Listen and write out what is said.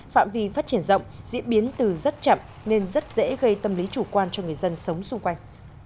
phạm vi phát triển rộng diễn biến từ rất chậm nên rất dễ gây tâm lý chủ quan cho người dân sống xung quanh